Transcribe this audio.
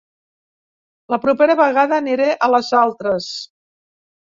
La propera vegada, aniré a les altres.